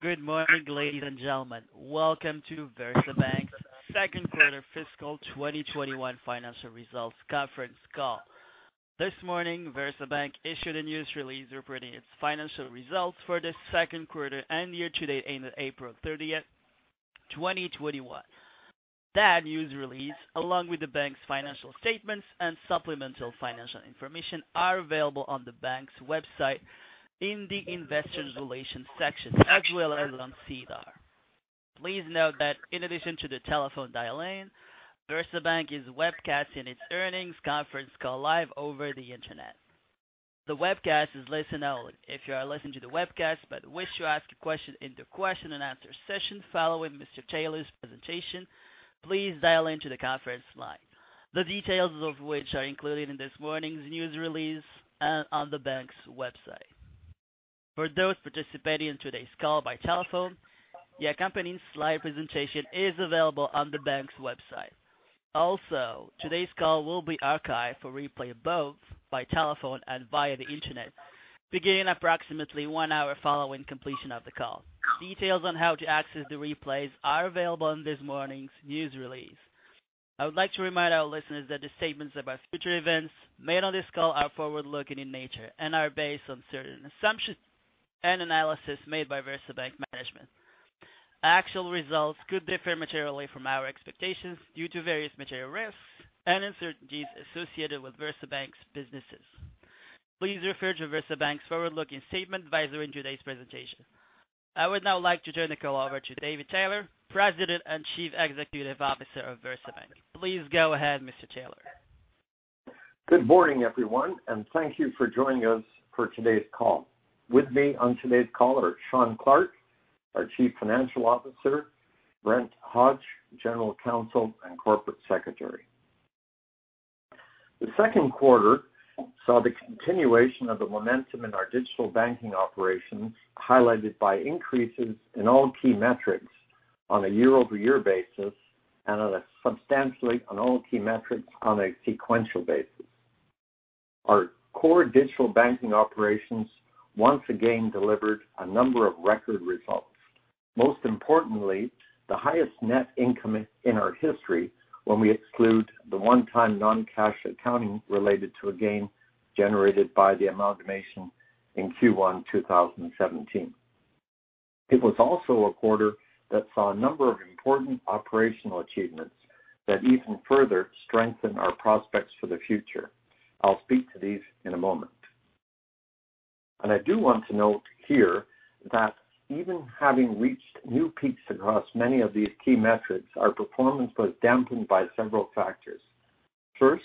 Good morning, ladies and gentlemen. Welcome to VersaBank's second quarter fiscal 2021 financial results conference call. This morning, VersaBank issued a news release reporting its financial results for the second quarter and year to date ended April 30th, 2021. That news release, along with the bank's financial statements and supplemental financial information, are available on the bank's website in the investor relations section, as well as on SEDAR. Please note that in addition to the telephone dial-in, VersaBank is webcasting its earnings conference call live over the internet. The webcast is listen-only. If you are listening to the webcast but wish to ask a question in the question and answer session following Mr. Taylor's presentation, please dial into the conference line. The details of which are included in this morning's news release and on the bank's website. For those participating in today's call by telephone, the accompanying slide presentation is available on the bank's website. Today's call will be archived for replay both by telephone and via the internet, beginning approximately one hour following completion of the call. Details on how to access the replays are available in this morning's news release. I would like to remind our listeners that the statements about future events made on this call are forward-looking in nature and are based on certain assumptions and analysis made by VersaBank management. Actual results could differ materially from our expectations due to various material risks and uncertainties associated with VersaBank's businesses. Please refer to VersaBank's forward-looking statement advisory in today's presentation. I would now like to turn the call over to David Taylor, President and Chief Executive Officer of VersaBank. Please go ahead, Mr. Taylor. Good morning, everyone, and thank you for joining us for today's call. With me on today's call are Shawn Clarke, our Chief Financial Officer, Brent Hodge, General Counsel and Corporate Secretary. The second quarter saw the continuation of the momentum in our digital banking operations, highlighted by increases in all key metrics on a year-over-year basis and substantially on all key metrics on a sequential basis. Our core digital banking operations once again delivered a number of record results, most importantly, the highest net income in our history when we exclude the one-time non-cash accounting related to a gain generated by the amalgamation in Q1 2017. It was also a quarter that saw a number of important operational achievements that even further strengthen our prospects for the future. I'll speak to these in a moment. I do want to note here that even having reached new peaks across many of these key metrics, our performance was dampened by several factors. First,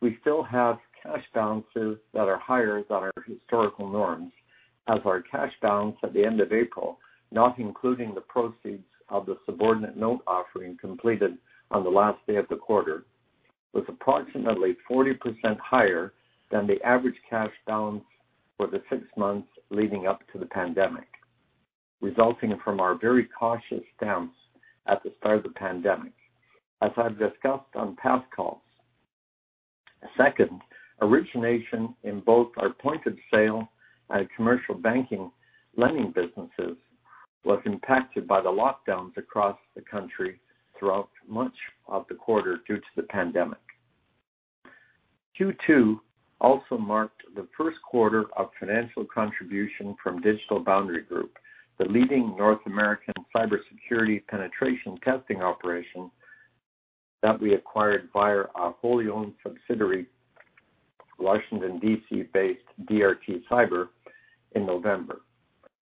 we still have cash balances that are higher than our historical norms as our cash balance at the end of April, not including the proceeds of the subordinate note offering completed on the last day of the quarter, was approximately 40% higher than the average cash balance for the six months leading up to the pandemic, resulting from our very cautious stance at the start of the pandemic, as I've discussed on past calls. Second, origination in both our point-of-sale and commercial banking lending businesses was impacted by the lockdowns across the country throughout much of the quarter due to the pandemic. Q2 also marked the first quarter of financial contribution from Digital Boundary Group, the leading North American cybersecurity penetration testing operation that we acquired via our wholly-owned subsidiary, Washington D.C.-based DRT Cyber in November.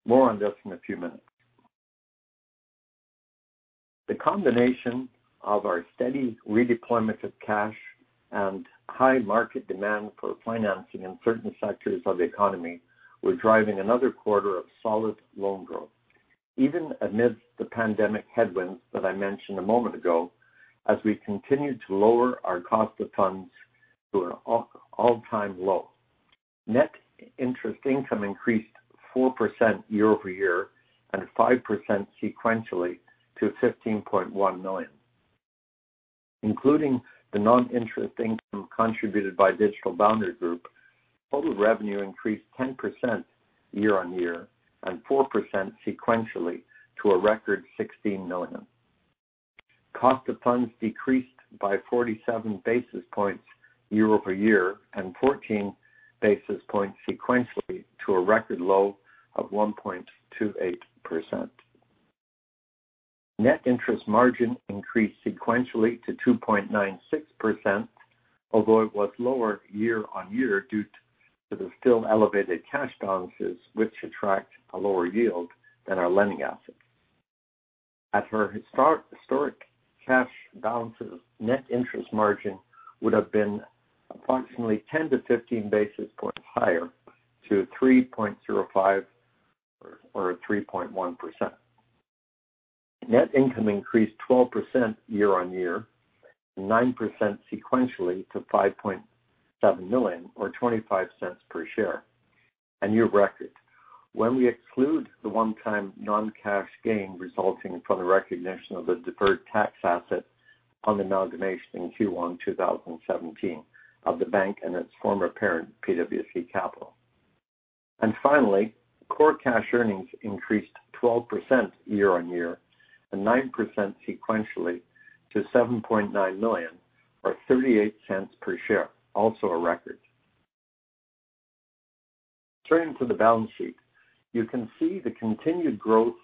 More on this in a few minutes. The combination of our steady redeployment of cash and high market demand for financing in certain sectors of the economy was driving another quarter of solid loan growth, even amidst the pandemic headwinds that I mentioned a moment ago, as we continued to lower our cost of funds to an all-time low. Net interest income increased 4% year-over-year and 5% sequentially to $15.1 million. Including the non-interest income contributed by Digital Boundary Group, total revenue increased 10% year-on-year and 4% sequentially to a record $16 million. Cost of funds decreased by 47 basis points year-over-year and 14 basis points sequentially to a record low of 1.28%. Net interest margin increased sequentially to 2.96%, although it was lower year-on-year due to the still elevated cash balances which attract a lower yield than our lending assets. At our historic cash balances, net interest margin would've been approximately 10-15 basis points higher to 3.05% or 3.1%. Net income increased 12% year-on-year and 9% sequentially to $5.7 million, or $0.25 per share, a new record. When we exclude the one-time non-cash gain resulting from the recognition of the deferred tax asset on the amalgamation in Q1 2017 of the bank and its former parent, PWC Capital. Finally, core cash earnings increased 12% year-on-year and 9% sequentially to $7.9 million or $0.38 per share, also a record. Turning to the balance sheet, you can see the continued growth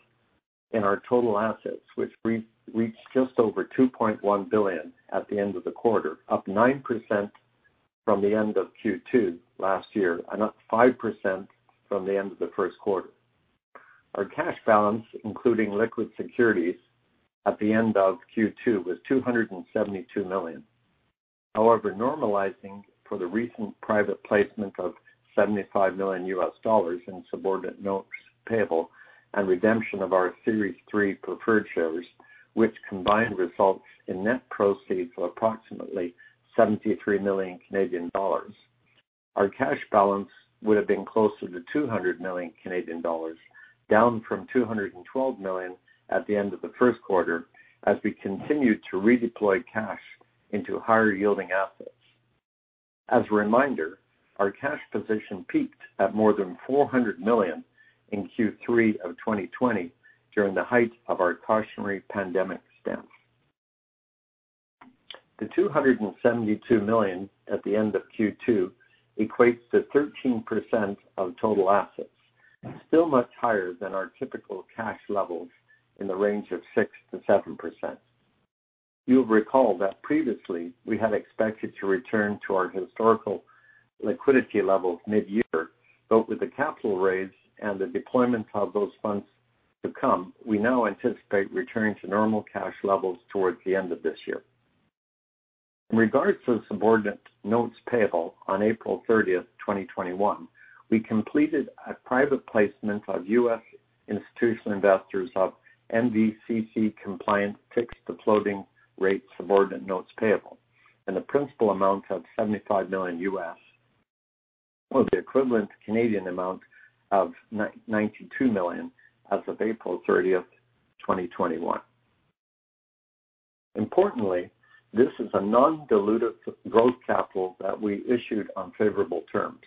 in our total assets, which reached just over $2.1 billion at the end of the quarter, up 9% from the end of Q2 last year and up 5% from the end of the first quarter. Our cash balance, including liquid securities at the end of Q2, was $272 million. However, normalizing for the recent private placement of $75 million in subordinate notes payable and redemption of our Series 3 preferred shares, which combined results in net proceeds of approximately 73 million Canadian dollars, our cash balance would have been closer to 200 million Canadian dollars, down from 212 million at the end of the first quarter as we continued to redeploy cash into higher yielding assets. As a reminder, our cash position peaked at more than $400 million in Q3 of 2020 during the height of our cautionary pandemic stance. The $272 million at the end of Q2 equates to 13% of total assets, still much higher than our typical cash levels in the range of 6%-7%. You'll recall that previously we had expected to return to our historical liquidity levels mid-year. With the capital raise and the deployment of those funds to come, we now anticipate returning to normal cash levels towards the end of this year. In regards to subordinate notes payable on April 30th, 2021, we completed a private placement of U.S. institutional investors of NVCC compliant fixed to floating rate subordinate notes payable in a principal amount of $75 million, with the equivalent Canadian amount of 92 million as of April 30th, 2021. Importantly, this is a non-dilutive growth capital that we issued on favorable terms.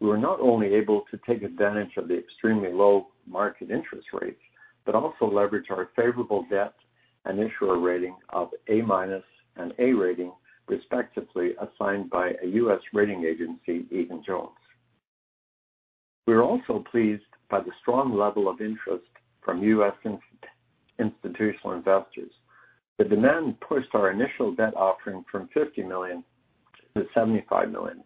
We were not only able to take advantage of the extremely low market interest rates, but also leverage our favorable debt and issuer rating of A- and A rating, respectively, assigned by a U.S. rating agency, Egan-Jones. We are also pleased by the strong level of interest from U.S. institutional investors. The demand pushed our initial debt offering from $50 million to $75 million,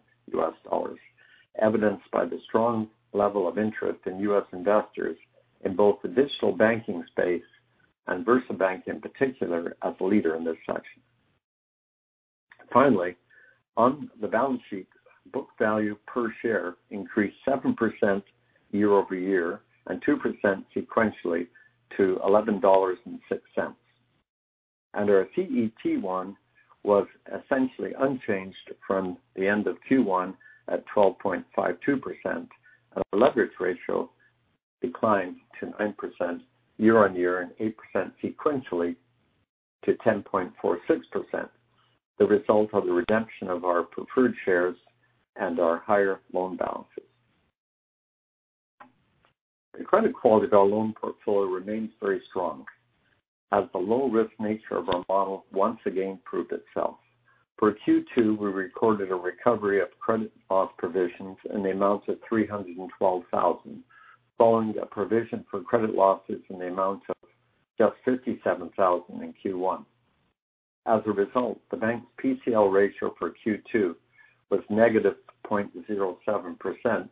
evidenced by the strong level of interest in U.S. investors in both the digital banking space and VersaBank in particular, as a leader in this sector. Finally, on the balance sheet, book value per share increased 7% year-over-year and 2% sequentially to $11.06. Our CET1 was essentially unchanged from the end of Q1 at 12.52%, and our leverage ratio declined to 9% year-on-year and 8% sequentially to 10.46%, the result of the redemption of our preferred shares and our higher loan balances. The credit quality of our loan portfolio remains very strong as the low risk nature of our model once again proved itself. For Q2, we recorded a recovery of credit loss provisions in the amount of $312,000, following a provision for credit losses in the amount of just $57,000 in Q1. As a result, the bank PCL ratio for Q2 was -0.07%,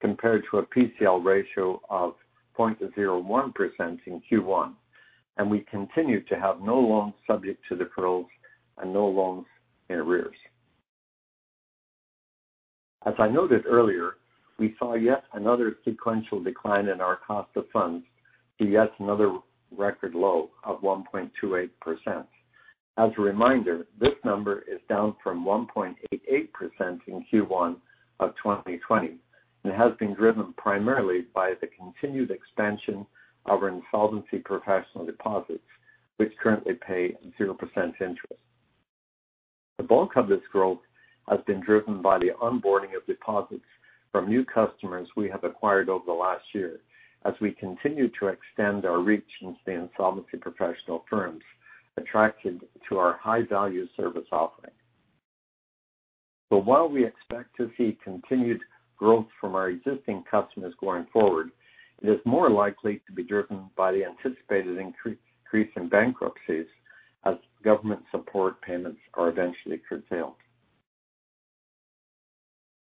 compared to a PCL ratio of 0.01% in Q1. We continued to have no loans subject to defaults and no loans in arrears. As I noted earlier, we saw yet another sequential decline in our cost of funds to yet another record low of 1.28%. As a reminder, this number is down from 1.88% in Q1 of 2020, and has been driven primarily by the continued expansion of our insolvency professional deposits, which currently pay 0% interest. The bulk of this growth has been driven by the onboarding of deposits from new customers we have acquired over the last year as we continue to extend our reach into the insolvency professional firms attracted to our high value service offering. While we expect to see continued growth from our existing customers going forward, it is more likely to be driven by the anticipated increase in bankruptcies as government support payments are eventually curtailed.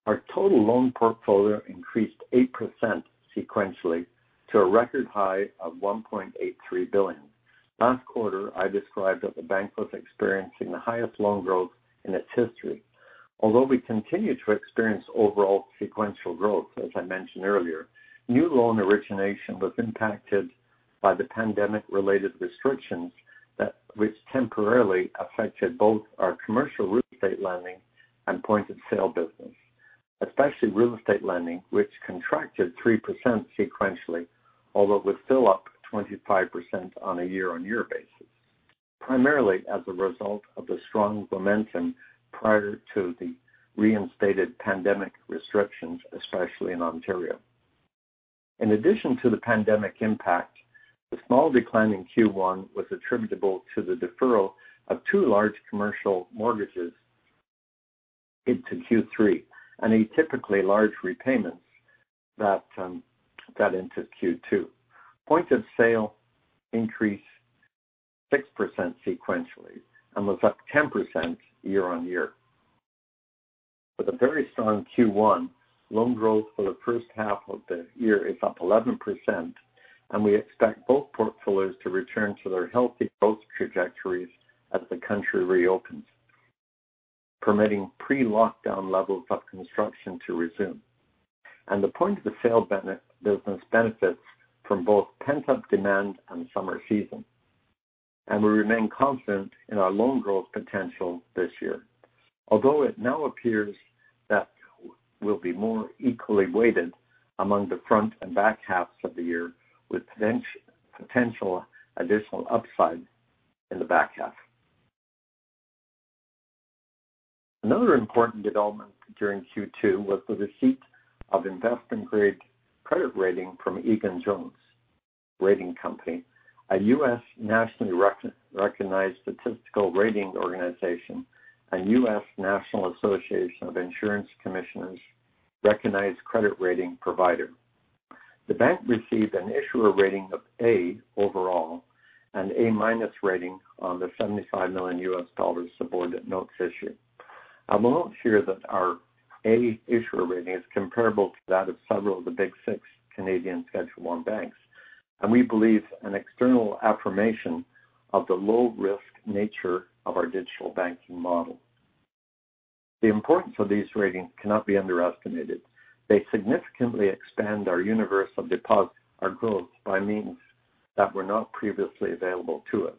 Our total loan portfolio increased 8% sequentially to a record high of $1.83 billion. Last quarter, I described that the bank was experiencing the highest loan growth in its history. We continue to experience overall sequential growth, as I mentioned earlier, new loan origination was impacted by the pandemic related restrictions, which temporarily affected both our commercial real estate lending and point-of-sale business. Especially real estate lending, which contracted 3% sequentially, although it was still up 25% on a year-on-year basis, primarily as a result of the strong momentum prior to the reinstated pandemic restrictions, especially in Ontario. In addition to the pandemic impact, the small decline in Q1 was attributable to the deferral of two large commercial mortgages into Q3 and atypical large repayments that got into Q2. Point of sale increased 6% sequentially and was up 10% year-on-year. With a very strong Q1, loan growth for the first half of the year is up 11%, and we expect both portfolios to return to their healthy growth trajectories as the country reopens, permitting pre-lockdown levels of construction to resume. The point-of-sale business benefits from both pent-up demand and summer season, and we remain confident in our loan growth potential this year, although it now appears that we'll be more equally weighted among the front and back halves of the year with potential additional upside in the back half. Another important development during Q2 was the receipt of investment-grade credit rating from Egan-Jones Ratings Company, a U.S. Nationally Recognized Statistical Rating Organization and U.S. National Association of Insurance Commissioners recognized credit rating provider. The bank received an issuer rating of A overall and A- rating on the $75 million of subordinate notes issued. I will note here that our A issuer rating is comparable to that of several of the Big Six Canadian Schedule I banks, and we believe an external affirmation of the low-risk nature of our digital banking model. The importance of these ratings cannot be underestimated. They significantly expand our universe of deposits and growth by means that were not previously available to us.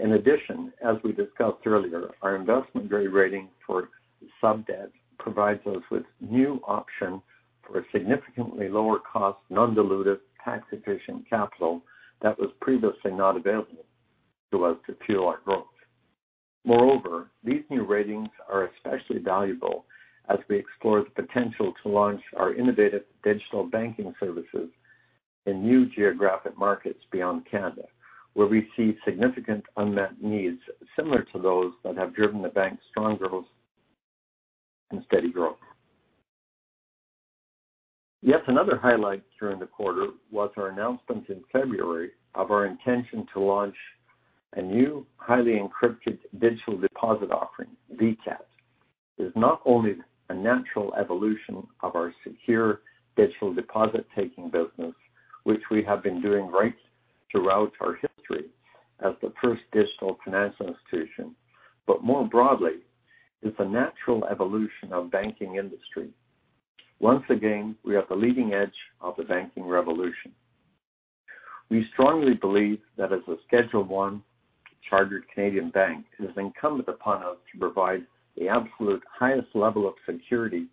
In addition, as we discussed earlier, our investment-grade rating for sub-debt provides us with new options for significantly lower cost, non-dilutive, tax-efficient capital that was previously not available to us to fuel our growth. Moreover, these new ratings are especially valuable as we explore the potential to launch our innovative digital banking services in new geographic markets beyond Canada, where we see significant unmet needs similar to those that have driven the bank's strong growth and steady growth. Yet another highlight during the quarter was our announcement in February of our intention to launch a new highly encrypted digital deposit offering, VCAD. It's not only a natural evolution of our secure digital deposit-taking business, which we have been doing right throughout our history as the first digital financial institution, but more broadly, it's a natural evolution of the banking industry. Once again, we are at the leading edge of the banking revolution. We strongly believe that as a Schedule I chartered Canadian bank, it is incumbent upon us to provide the absolute highest level of security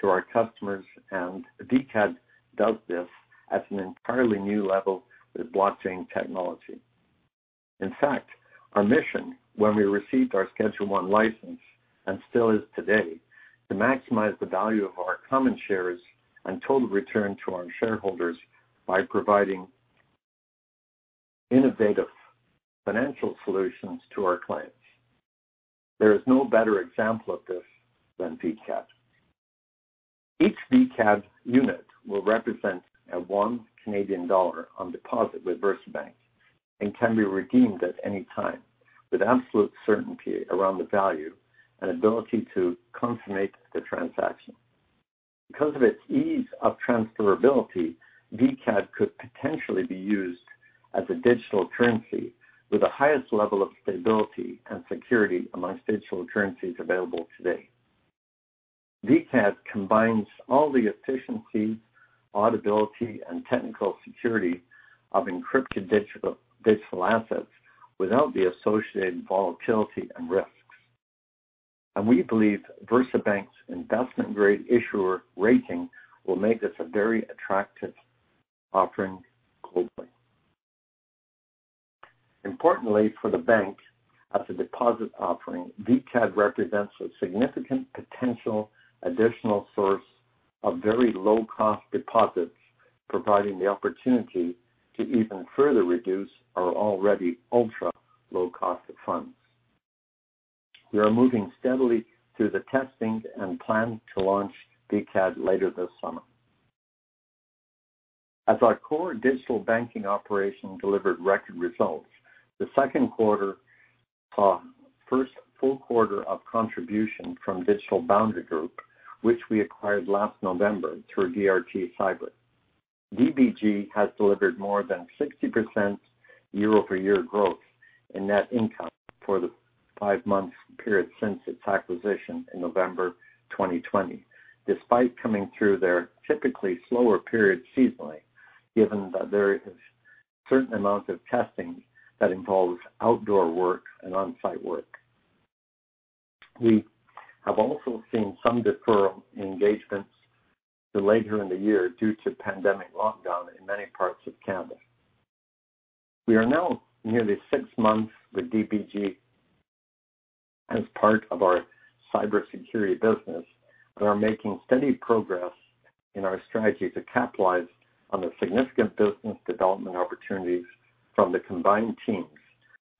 to our customers, and VCAD does this at an entirely new level with blockchain technology. In fact, our mission when we received our Schedule I license, and still is today, to maximize the value of our common shares and total return to our shareholders by providing innovative financial solutions to our clients. There is no better example of this than VCAD. Each VCAD unit will represent 1 Canadian dollar on deposit with VersaBank and can be redeemed at any time with absolute certainty around the value and ability to consummate the transaction. Because of its ease of transferability, VCAD could potentially be used as a digital currency with the highest level of stability and security amongst digital currencies available today. VCAD combines all the efficiencies, audibility, and technical security of encrypted digital assets without the associated volatility and risks. We believe VersaBank's investment-grade issuer rating will make this a very attractive offering globally. Importantly for the bank as a deposit offering, VCAD represents a significant potential additional source of very low-cost deposits, providing the opportunity to even further reduce our already ultra-low cost of funds. We are moving steadily through the testing and plan to launch VCAD later this summer. As our core digital banking operation delivered record results, the second quarter saw first full quarter of contribution from Digital Boundary Group, which we acquired last November through DRT Cyber. DBG has delivered more than 60% year-over-year growth in net income for the five-month period since its acquisition in November 2020, despite coming through their typically slower period seasonally, given that their certain amount of testing that involves outdoor work and on-site work. We have also seen some deferral in engagements to later in the year due to pandemic lockdown in many parts of Canada. We are now nearly six months with DBG as part of our cybersecurity business and are making steady progress in our strategy to capitalize on the significant business development opportunities from the combined teams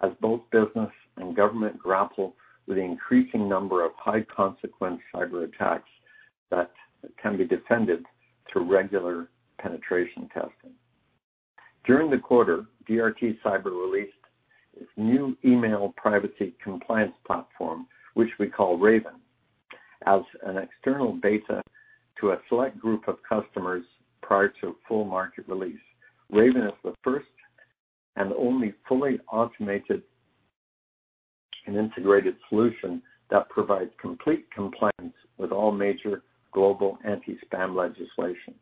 as both business and government grapple with the increasing number of high-consequence cyber attacks that can be defended through regular penetration testing. During the quarter, DRT Cyber released its new email privacy compliance platform, which we call RAVEN, as an external beta to a select group of customers prior to full market release. RAVEN is the first and only fully automated and integrated solution that provides complete compliance with all major global anti-spam legislation.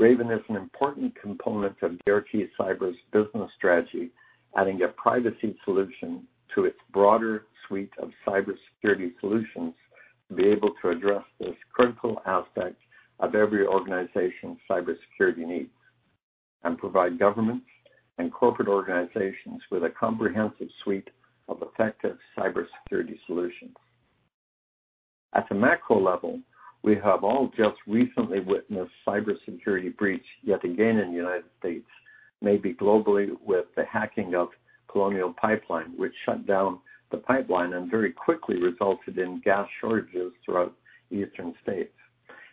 RAVEN is an important component of DRT Cyber's business strategy, adding a privacy solution to its broader suite of cybersecurity solutions to be able to address this critical aspect of every organization's cybersecurity needs and provide governments and corporate organizations with a comprehensive suite of effective cybersecurity solutions. At a macro level, we have all just recently witnessed cybersecurity breach yet again in the United States, maybe globally with the hacking of Colonial Pipeline, which shut down the pipeline and very quickly resulted in gas shortages throughout the eastern states.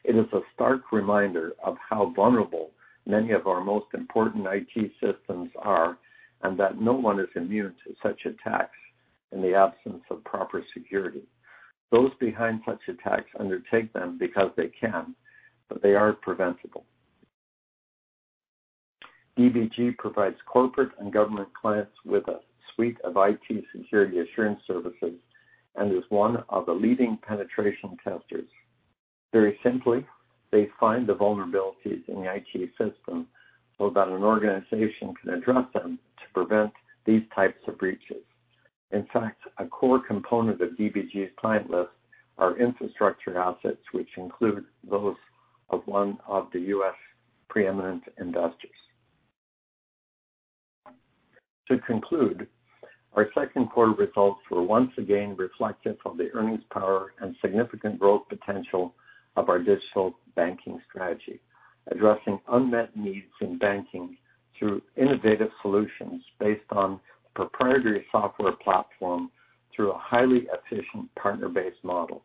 It is a stark reminder of how vulnerable many of our most important IT systems are, and that no one is immune to such attacks in the absence of proper security. Those behind such attacks undertake them because they can, but they are preventable. DBG provides corporate and government clients with a suite of IT security assurance services and is one of the leading penetration testers. Very simply, they find the vulnerabilities in the IT system so that an organization can address them to prevent these types of breaches. In fact, a core component of DBG's client list are infrastructure assets, which include those of one of the U.S.' preeminent investors. To conclude, our second quarter results were once again reflective of the earnings power and significant growth potential of our digital banking strategy, addressing unmet needs in banking through innovative solutions based on a proprietary software platform through a highly efficient partner-based model.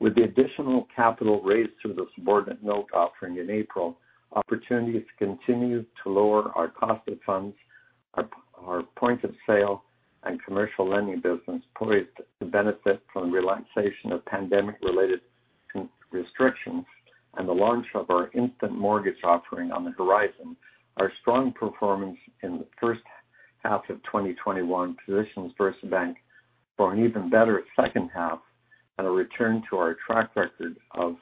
With the additional capital raised through the subordinate note offering in April, opportunities continue to lower our cost of funds, our point-of-sale and commercial lending business poised to benefit from the relaxation of pandemic-related restrictions and the launch of our Instant Mortgage offering on the horizon. Our strong performance in the first half of 2021 positions VersaBank for an even better second half and a return to our track record of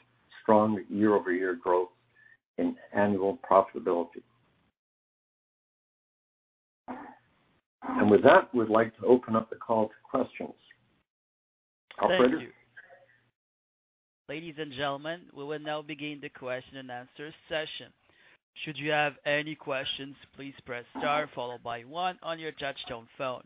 strong year-over-year growth and annual profitability. With that, we'd like to open up the call to questions. Operator? Thank you. Ladies and gentlemen, we will now begin the question and answer session. Should you have any questions, please press star followed by one on your touch-tone phone.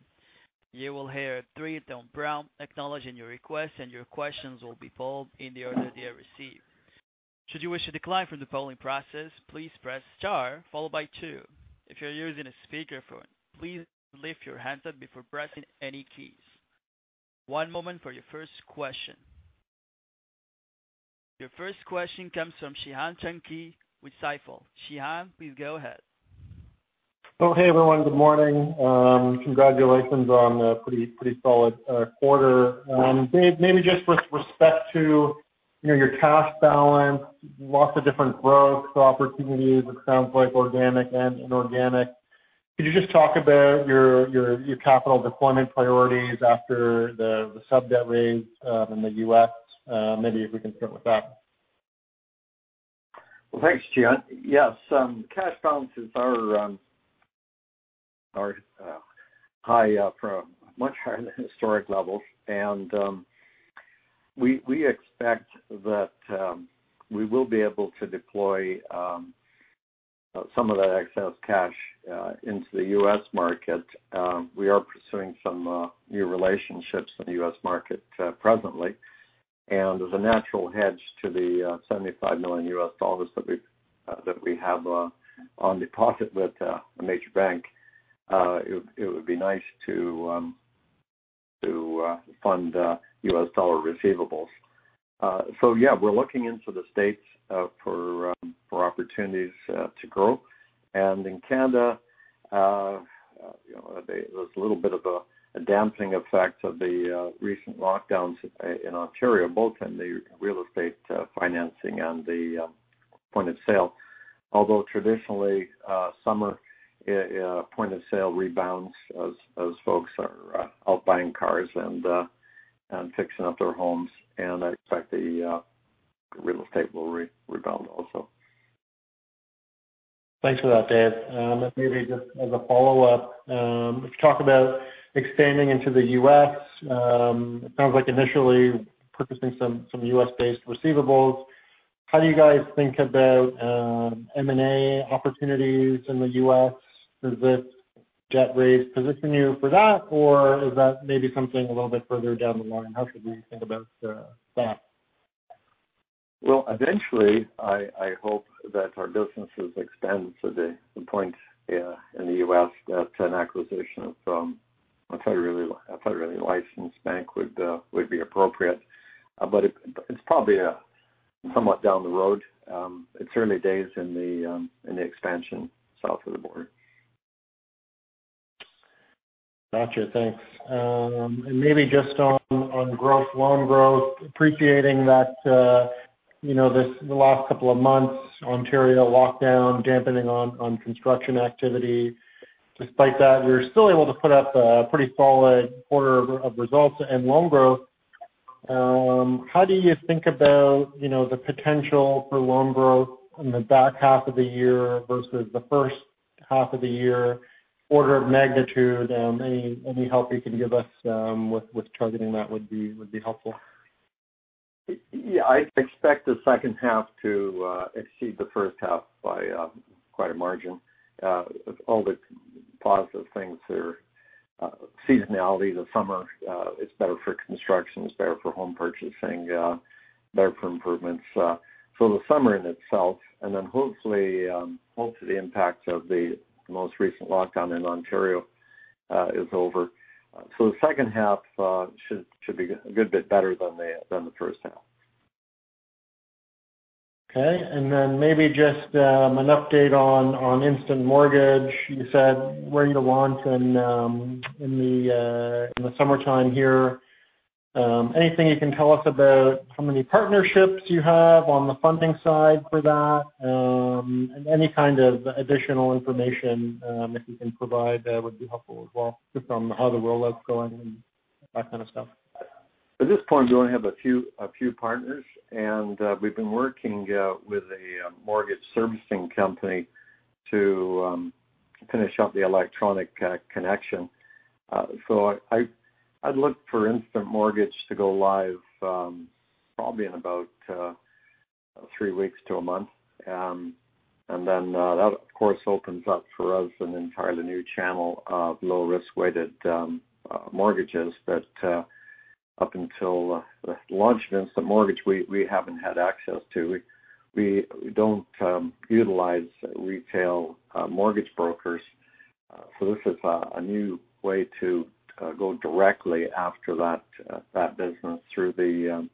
You will hear a three-tone prompt acknowledging your request, and your questions will be followed in the order they are received. Should you wish to decline from the polling process, please press star followed by two. If you're using a speakerphone, please lift your handset before pressing any keys. One moment for your first question. Your first question comes from Cihan Tunkay with Stifel. Cihan, please go ahead. Okay, everyone. Good morning. Congratulations on a pretty solid quarter. Dave, maybe just with respect to your cash balance, lots of different growth opportunities it sounds like, organic and inorganic. Could you just talk about your capital deployment priorities after the sub-debt raise in the U.S.? Maybe if we can start with that. Well, thanks, Cihan. Yes. Cash balance is very high from much higher than historic levels, and we expect that we will be able to deploy some of that excess cash into the U.S. market. We are pursuing some new relationships in the U.S. market presently, and as a natural hedge to the $75 million that we have on deposit with a major bank it would be nice to fund U.S. dollar receivables. Yeah, we're looking into the States for opportunities to grow. In Canada there's a little bit of a damping effect of the recent lockdowns in Ontario, both in the real estate financing and the point-of-sale. Although traditionally summer point-of-sale rebounds as folks are out buying cars and fixing up their homes. I expect the real estate will rebound also. Thanks for that, Dave. Maybe just as a follow-up, you talk about expanding into the U.S. It sounds like initially purchasing some U.S.-based receivables. How do you guys think about M&A opportunities in the U.S.? Does debt raise position you for that, or is that maybe something a little bit further down the line? How should we think about that? Well, eventually, I hope that our businesses expand to the point in the U.S. that an acquisition from a federally licensed bank would be appropriate. It's probably somewhat down the road. It's early days in the expansion south of the border. Got you. Thanks. Maybe just on growth, loan growth, appreciating that, the last couple of months, Ontario lockdown dampening on construction activity. Despite that, you're still able to put up a pretty solid quarter of results and loan growth. How do you think about the potential for loan growth in the back half of the year versus the first half of the year, order of magnitude? Any help you can give us with targeting that would be helpful. Yeah. I expect the second half to exceed the first half by a margin. All the positive things there. Seasonality, the summer, it's better for construction, it's better for home purchasing, better for improvements. The summer in itself, and then hopefully, the impact of the most recent lockdown in Ontario is over. The second half should be a good bit better than the first half. Okay. Maybe just an update on Instant Mortgage. You said relaunch in the summertime here. Anything you can tell us about how many partnerships you have on the funding side for that? Any kind of additional information you can provide that would be helpful as well, just on how the rollout's going and that kind of stuff. At this point, we only have a few partners, and we've been working with a mortgage servicing company to finish up the electronic connection. I'd look for Instant Mortgage to go live probably in about three weeks to a month. That, of course, opens up for us an entirely new channel of low-risk weighted mortgages that up until this launch of Instant Mortgage, we haven't had access to. We don't utilize retail mortgage brokers, this is a new way to go directly after that business through the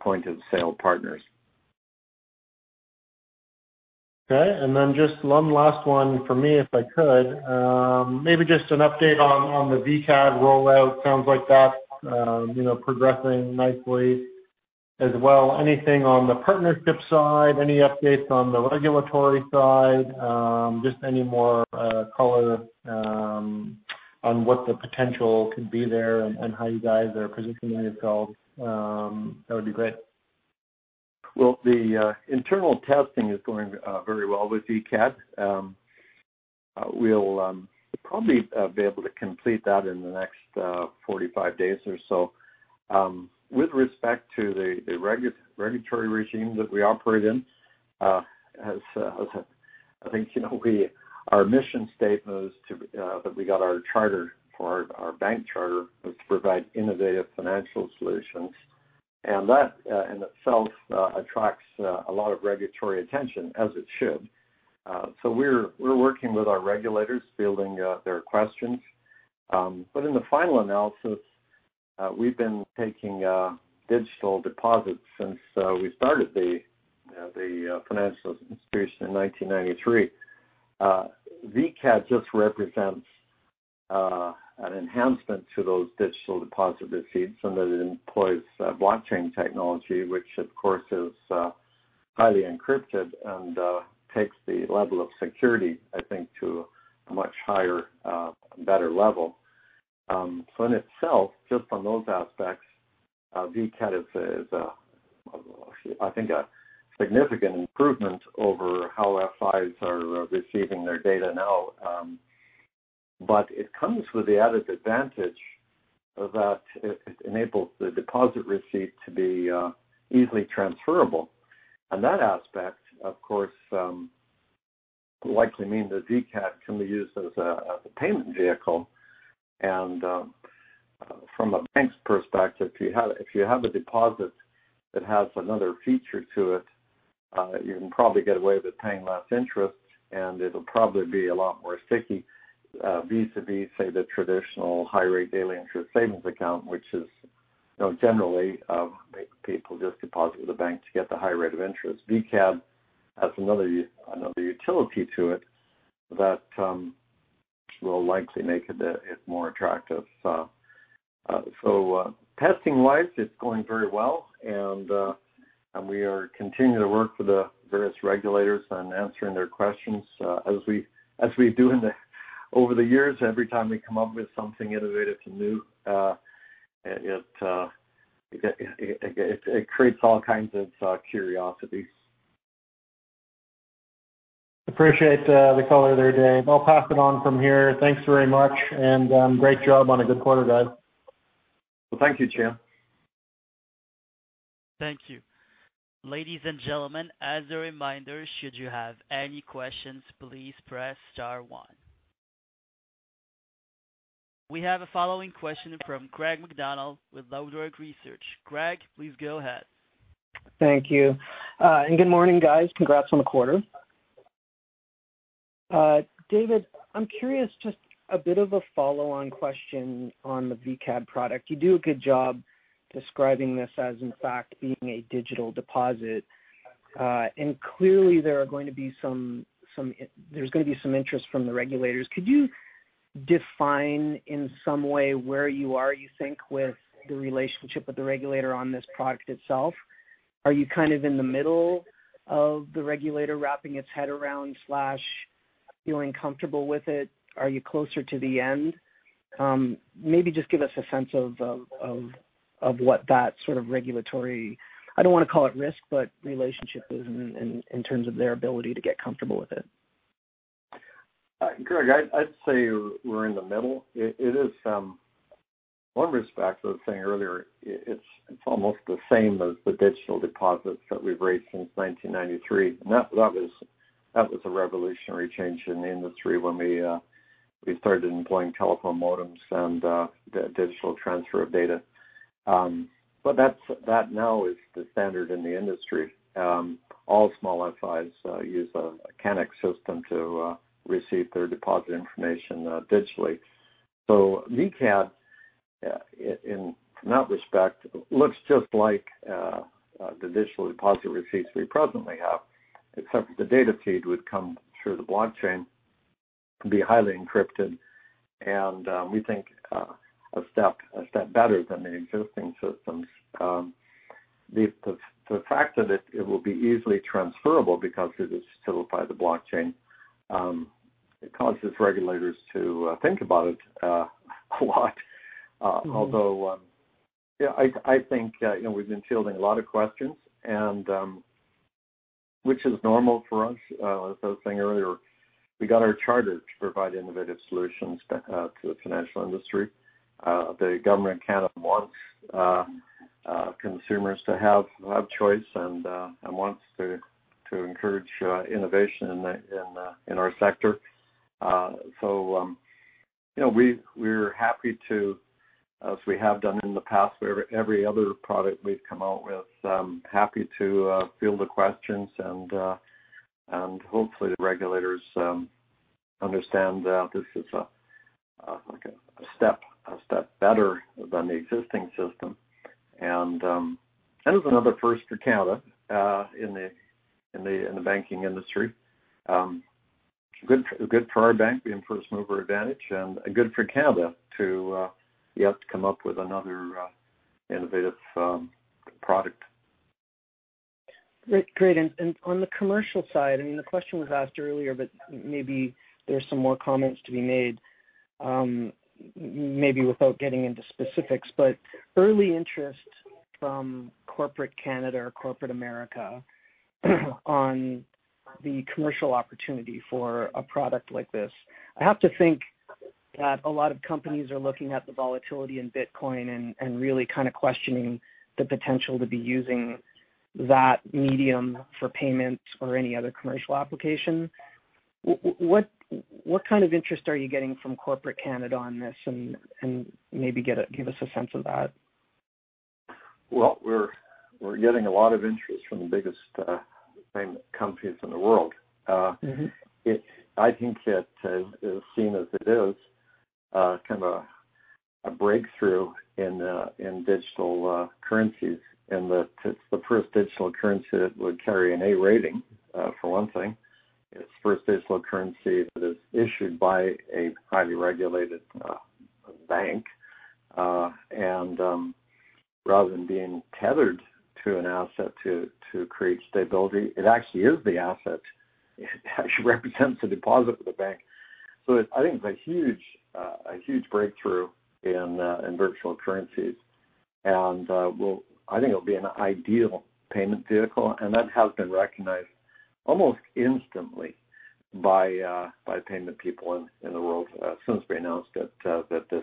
point-of-sale partners. Okay, just one last one from me, if I could. Maybe just an update on the VCAD rollout. Sounds like that progressing nicely as well. Anything on the partnership side, any updates on the regulatory side? Just any more color on what the potential could be there and how you guys are positioning yourselves, that would be great. The internal testing is going very well with VCAD. We'll probably be able to complete that in the next 45 days or so. With respect to the regulatory regime that we operate in, as I think you know, our mission statement is that we got our charter for our bank charter was to provide innovative financial solutions. That in itself attracts a lot of regulatory attention, as it should. We're working with our regulators, fielding their questions. In the final analysis, we've been taking digital deposits since we started the financial institution in 1993. VCAD just represents an enhancement to those digital deposit receipts in that it employs blockchain technology, which of course is highly encrypted and takes the level of security, I think, to a much higher and better level. In itself, just on those aspects, VCAD is, I think, a significant improvement over how FIs are receiving their data now. It comes with the added advantage that it enables the deposit receipt to be easily transferable. That aspect, of course, will likely mean the VCAD can be used as a payment vehicle. From a bank's perspective, if you have a deposit that has another feature to it, you can probably get away with paying less interest, and it'll probably be a lot more sticky vis-a-vis, say, the traditional high rate daily interest savings account, which is generally make people just deposit to the bank to get the high rate of interest. VCAD has another utility to it that will likely make it more attractive. Testing-wise, it's going very well. We are continuing to work with the various regulators on answering their questions, as we do over the years, every time we come up with something innovative and new, it creates all kinds of curiosity. Appreciate the color there, Dave. I'll pass it on from here. Thanks very much, and great job on a good quarter, guys. Well, thank you, Cihan. Thank you. Ladies and gentlemen, as a reminder, should you have any questions, please press star one. We have the following question from Greg MacDonald with LodeRock Research. Greg, please go ahead. Thank you. Good morning, guys. Congrats on the quarter. David, I'm curious, just a bit of a follow-on question on the VCAD product. You do a good job describing this as in fact being a digital deposit. Clearly there's going to be some interest from the regulators. Could you define in some way where you are, you think, with the relationship with the regulator on this product itself? Are you kind of in the middle of the regulator wrapping its head around, feeling comfortable with it? Are you closer to the end? Maybe just give us a sense of what that sort of regulatory, I don't want to call it risk, but relationship is in terms of their ability to get comfortable with it. Greg, I'd say we're in the middle. It is from one respect, I was saying earlier, it's almost the same as the digital deposits that we've raised since 1993. That was a revolutionary change in the industry when we started employing telephone modems and digital transfer of data. That now is the standard in the industry. All small FIs use a mechanical system to receive their deposit information digitally. VCAD, from that respect, looks just like the digital deposit receipts we presently have, except the data feed would come through the blockchain, be highly encrypted, and we think a step better than the existing systems. The fact of it will be easily transferable because it is facilitated by the blockchain. It causes regulators to think about it a lot. Although, I think, we've been fielding a lot of questions, which is normal for us. As I was saying earlier, we got our charter to provide innovative solutions to the financial industry. The government of Canada wants consumers to have that choice and wants to encourage innovation in our sector. We're happy to, as we have done in the past with every other product we've come out with, happy to field the questions and hopefully the regulators understand that this is a step better than the existing system. Kind of another first for Canada in the banking industry. Good for our bank, being first mover advantage, and good for Canada to yet come up with another innovative product. Great. On the commercial side, the question was asked earlier, but maybe there's some more comments to be made, maybe without getting into specifics, but early interest from corporate Canada or corporate America on the commercial opportunity for a product like this. I have to think that a lot of companies are looking at the volatility in Bitcoin and really kind of questioning the potential to be using that medium for payments or any other commercial application. What kind of interest are you getting from corporate Canada on this, and maybe give us a sense of that? Well, we're getting a lot of interest from the biggest payment companies in the world. I think it's seen as it is, kind of a breakthrough in digital currencies, in that it's the first digital currency that would carry an A rating, for one thing. It's the first digital currency that is issued by a highly regulated bank. Rather than being tethered to an asset to create stability, it actually is the asset. It actually represents the deposit of the bank. I think it's a huge breakthrough in virtual currencies. I think it'll be an ideal payment vehicle, and that has been recognized almost instantly by payment people in the world since we announced it, that this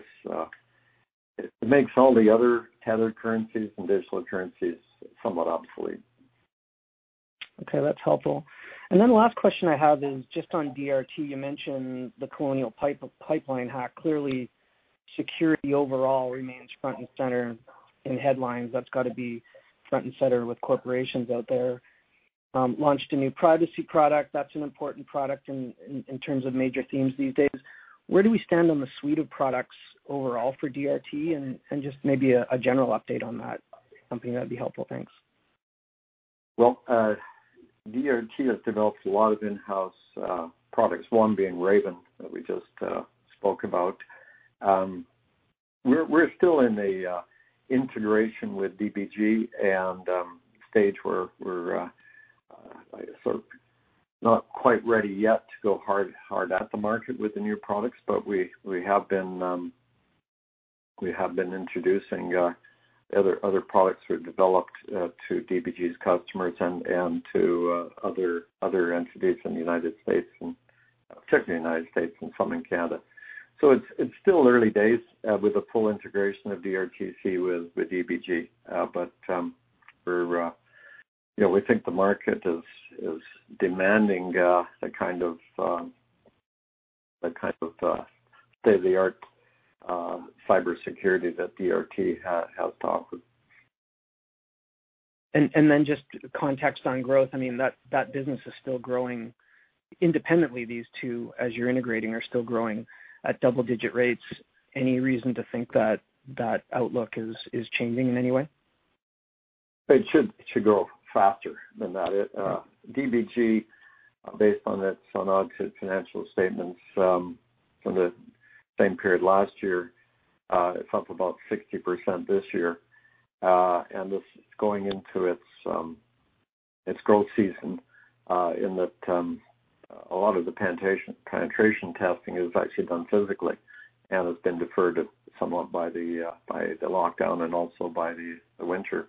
makes all the other tethered currencies and digital currencies somewhat obsolete. Okay, that's helpful. Then the last question I have is just on DRT. You mentioned the Colonial Pipeline hack. Clearly security overall remains front and center in headlines. That's got to be front and center with corporations out there. Launched a new privacy product. That's an important product in terms of major themes these days. Where do we stand on the suite of products overall for DRT and just maybe a general update on that, something that'd be helpful. Thanks. Well, DRT has developed a lot of in-house products, one being RAVEN, that we just spoke about. We're still in the integration with DBG and the stage where we're not quite ready yet to go hard at the market with the new products, but we have been introducing other products we developed to DBG's customers and to other entities in the United States, and particularly United States and some in Canada. It's still early days with the full integration of DRTC with the DBG. We think the market is demanding the kind of state-of-the-art cybersecurity that DRT has to offer. Just context on growth. That business is still growing independently, these two, as you're integrating, are still growing at double-digit rates. Any reason to think that outlook is changing in any way? It should go faster than that. DBG, based on its unaudited financial statements from the same period last year, it's up about 60% this year. This is going into its growth season, in that a lot of the penetration testing is actually done physically and has been deferred somewhat by the lockdown and also by the winter.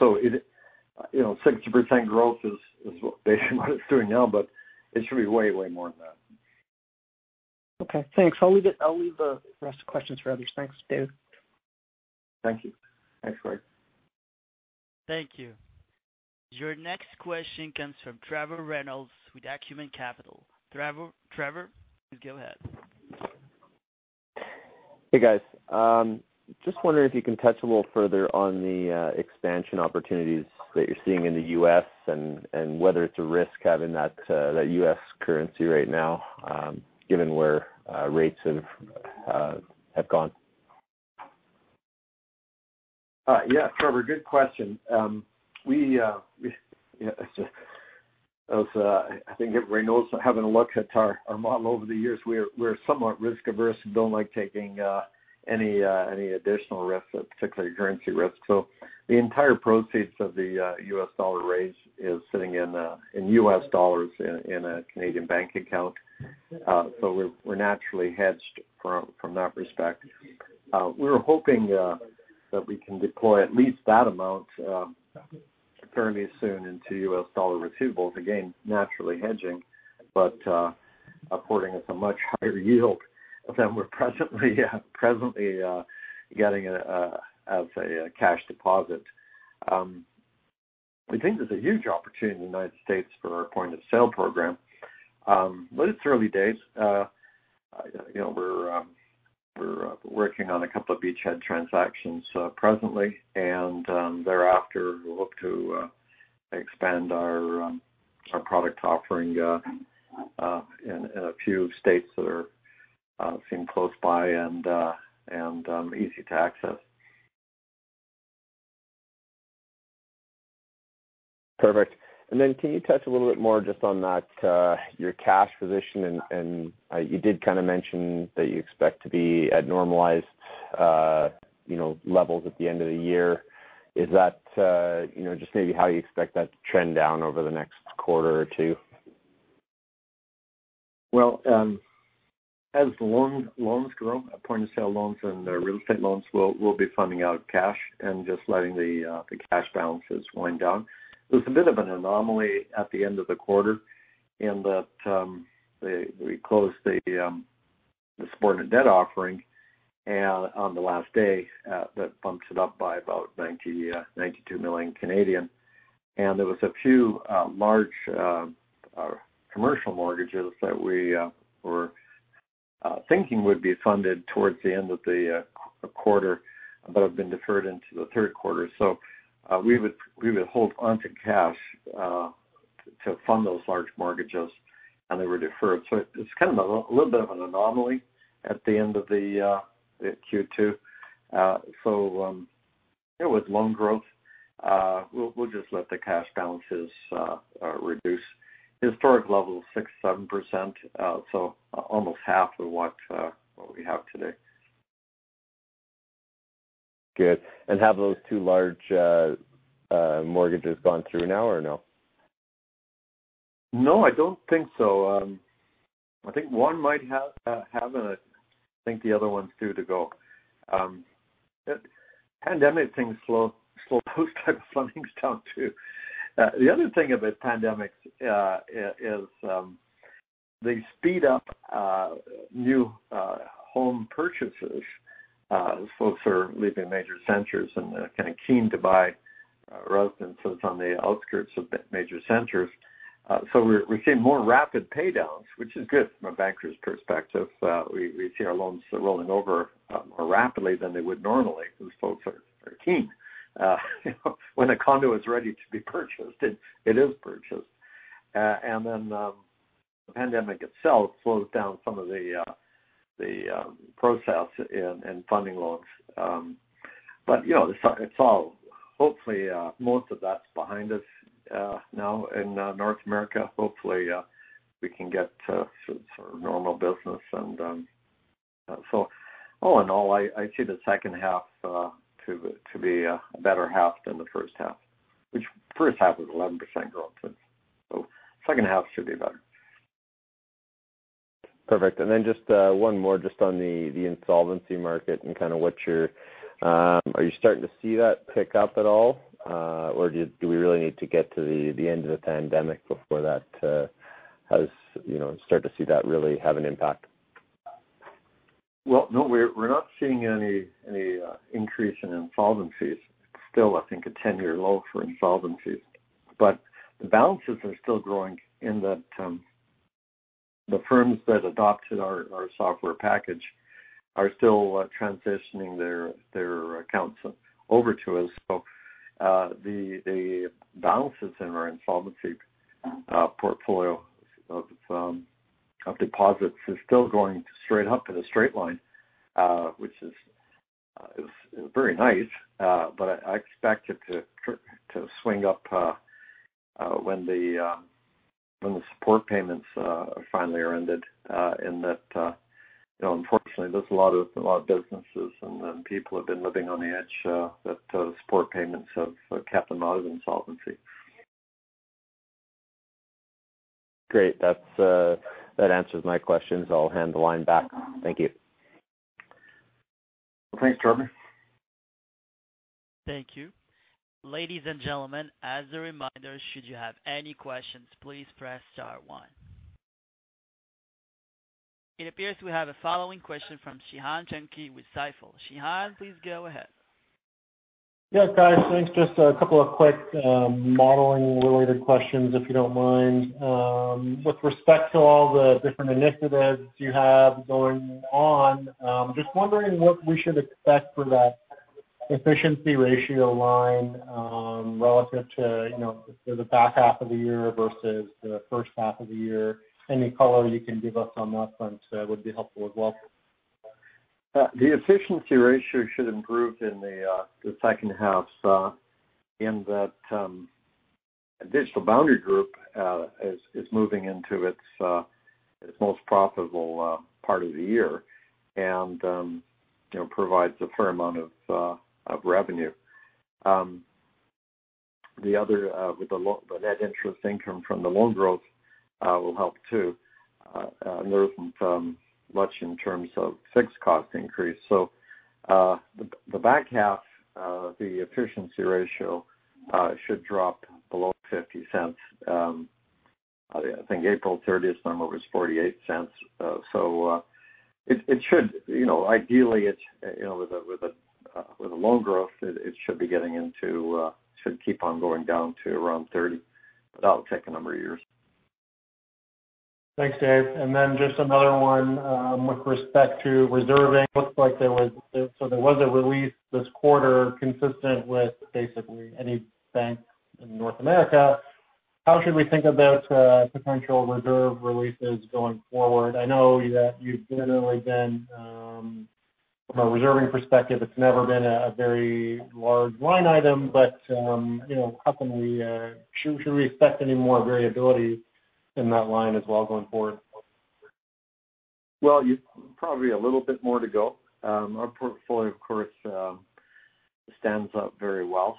60% growth is what it's doing now, but it should be way more than that. Okay, thanks. I'll leave the rest of questions for others. Thanks, Dave. Thank you. Thanks, Greg. Thank you. Your next question comes from Trevor Reynolds with Acumen Capital. Trevor, you go ahead. Hey, guys. Just wondering if you can touch a little further on the expansion opportunities that you're seeing in the U.S. and whether it's a risk having that U.S. currency right now given where rates have gone? Yeah, Trevor, good question. I think everybody knows, having a look at our model over the years, we're somewhat risk-averse and don't like taking any additional risks, particularly currency risks. The entire proceeds of the U.S. dollar raise is sitting in U.S. dollars in a Canadian bank account. We're naturally hedged from that respect. We're hoping that we can deploy at least that amount fairly soon into U.S. dollar receivables, again, naturally hedging, but according at a much higher yield than we're presently getting as a cash deposit. We think there's a huge opportunity in the United States for our point-of-sale program. It's early days. We're working on a couple of beachhead transactions presently, and thereafter, we'll look to expand our product offering in a few states that are seem close by and easy to access. Perfect. Can you touch a little bit more just on your cash position, and you did kind of mention that you expect to be at normalized levels at the end of the year. Just maybe how you expect that to trend down over the next quarter or two? Well, as loans grow, point-of-sale loans and the real estate loans, we'll be funding out cash and just letting the cash balances wind down. There was a bit of an anomaly at the end of the quarter in that we closed the subordinated debt offering on the last day. That bumps it up by about 92 million. There was a few large commercial mortgages that we were thinking would be funded towards the end of the quarter that have been deferred into the third quarter. We would hold onto cash to fund those large mortgages, and they were deferred. It's kind of a little bit of an anomaly at the end of the Q2. With loan growth, we'll just let the cash balances reduce. Historic level is 6%, 7%, so almost half of what we have today. Good. Have those two large mortgages gone through now or no? No, I don't think so. I think one might have, and I think the other one's due to go. Pandemic things slow those types of things down, too. The other thing about pandemic is they speed up new home purchases. Folks are leaving major centers and are kind of keen to buy residences on the outskirts of major centers. We're seeing more rapid paydowns, which is good from a banker's perspective. We see our loans rolling over more rapidly than they would normally because folks are keen. When a condo is ready to be purchased, it is purchased. The pandemic itself slows down some of the process in funding loans. Hopefully most of that's behind us now in North America. Hopefully, we can get to sort of normal business. All in all, I see the second half to be a better half than the first half, which first half was 11% growth. Second half should be better. Perfect. Just one more just on the insolvency market and are you starting to see that pick up at all? Do we really need to get to the end of the pandemic before that start to see that really have an impact? Well, no, we're not seeing any increase in insolvencies. It's still, I think, a 10-year low for insolvencies, but the balances are still growing in that the firms that adopted our software package are still transitioning their accounts over to us. The balances in our insolvency portfolio of deposits are still going straight up in a straight line, which is very nice. I expect it to swing up when the support payments finally are ended, in that unfortunately there's a lot of businesses and people have been living on the edge that support payments have kept them out of insolvency. Great. That answers my questions. I'll hand the line back. Thank you. Thanks, Trevor. Thank you. Ladies and gentlemen, as a reminder, should you have any questions, please press star one. It appears we have a following question from Cihan Tunkay with Stifel. Cihan, please go ahead. Yeah, guys, thanks. Just a couple of quick modeling related questions, if you don't mind. With respect to all the different initiatives you have going on, just wondering what we should expect for that efficiency ratio line, relative to the back half of the year versus the first half of the year. Any color you can give us on that front would be helpful as well. The efficiency ratio should improve in the second half in that Digital Boundary Group is moving into its most profitable part of the year and provides a fair amount of revenue. The net interest income from the loan growth will help too. There isn't much in terms of fixed cost increase. The back half, the efficiency ratio should drop below $0.50. I think April 30 number was $0.48. Ideally with the loan growth, it should keep on going down to around 30% without taking a number of years. Thanks, Dave. Just another one with respect to reserving. Looks like there was a release this quarter consistent with basically any bank in North America. How should we think about potential reserve releases going forward? I know that from a reserving perspective, it's never been a very large line item, should we expect any more variability in that line as well going forward? Well, probably a little bit more to go. Our portfolio, of course, stands up very well.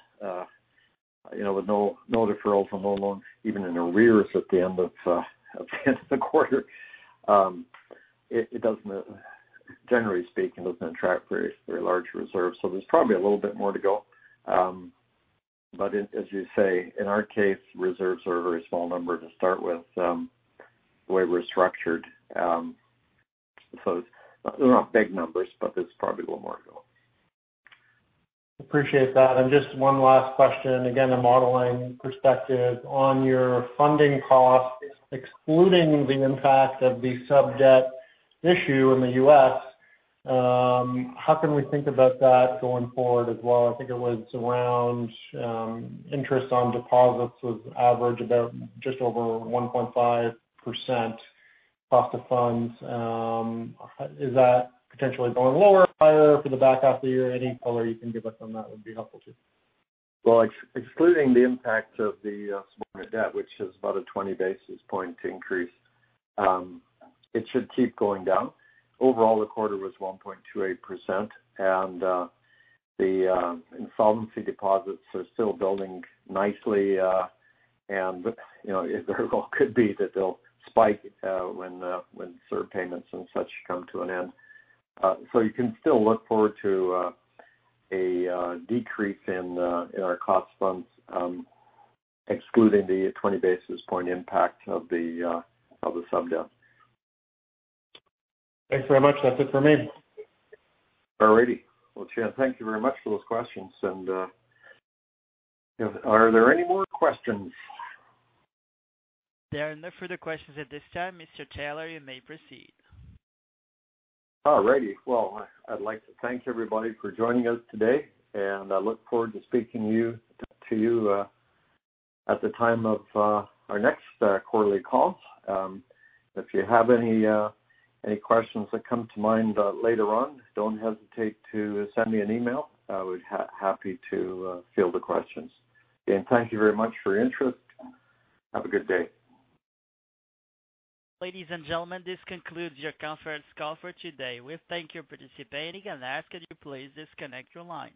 With no deferrals on home loans, even in arrears at the end of the quarter. Generally speaking, doesn't attract very large reserves. There's probably a little bit more to go. As you say, in our case, reserves are a very small number to start with, the way we're structured. They're not big numbers, but there's probably a little more to go. Appreciate that. Just one last question, again, a modeling perspective on your funding cost, excluding the impact of the sub-debt issue in the U.S. How can we think about that going forward as well? I think it was around interest on deposits was average about just over 1.5% cost of funds. Is that potentially going lower or higher for the back half of the year? Any color you can give us on that would be helpful too. Well, excluding the impact of the sub debt, which is about a 20 basis point increase, it should keep going down. Overall, the quarter was 1.28%, and the insolvency deposits are still building nicely. The goal could be that they'll spike when sub payments and such come to an end. You can still look forward to a decrease in our cost funds, excluding the 20 basis point impact of the sub debt. Thanks very much. That's it from me. All righty. Well, Cihan, thank you very much for those questions. Are there any more questions? There are no further questions at this time, Mr. Taylor. You may proceed. All right. Well, I'd like to thank everybody for joining us today, and I look forward to speaking to you at the time of our next quarterly call. If you have any questions that come to mind later on, don't hesitate to send me an email. I would be happy to field the questions. Again, thank you very much for your interest. Have a good day. Ladies and gentlemen, this concludes your conference call for today. We thank you for participating and ask that you please disconnect your lines.